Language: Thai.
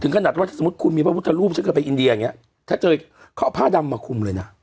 ขนาดว่าถ้าสมมุติคุณมีพระพุทธรูปฉันเคยไปอินเดียอย่างเงี้ยถ้าเจอเขาเอาผ้าดำมาคุมเลยนะ